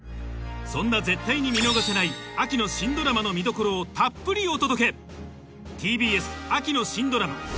そんな絶対に見逃せない秋の新ドラマの見どころをたっぷりお届けＴＢＳ秋の新ドラマ